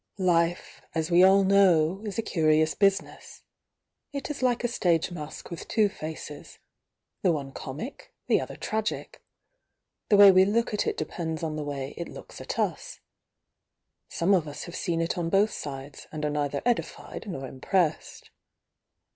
Life, as we all know, is a curious business. It is like a stage mask with two faces,— the one comic, the other tragic. The way we look at it depends on the way it looks at us. Some of us have seen it on both sides, and are neither edified nor imprpssed.